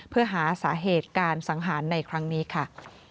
เพื่อหาสาเหตุการสังหารในครั้งนี้ค่ะ